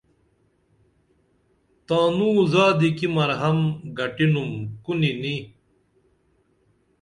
تانوں زادی کی مرہم گٹم کُنی نی